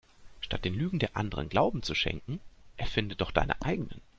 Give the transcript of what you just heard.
Statt den Lügen der Anderen Glauben zu schenken erfinde doch deine eigenen.